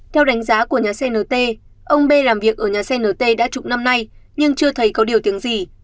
theo đánh giá của nhà xe nở t ông b làm việc ở nhà xe nở t đã trụng năm nay nhưng chưa thấy có điều tiếng gì